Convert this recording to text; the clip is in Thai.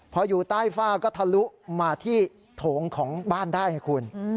พออยู่ใต้ฝ้าก็ทะลุมาที่โถงของบ้านได้ไงคุณ